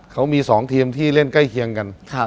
เขามี๒ทีมที่เล่นใกล้เคียงกัน